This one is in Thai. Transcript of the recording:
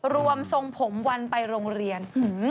รวมทรงผมวันไปโรงเรียน